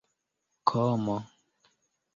komo